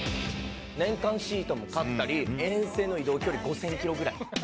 年間シートも買ったり、遠征の移動距離５０００キロぐらい。